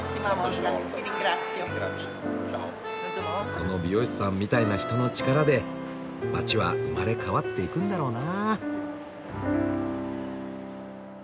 この美容師さんみたいな人の力で街は生まれ変わっていくんだろうな。